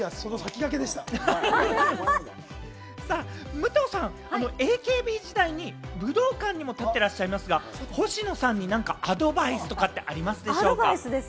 武藤さん、ＡＫＢ時代に武道館にも立っていらっしゃいますが、ほしのさんに何かアドバイスとかってありますでしょうか？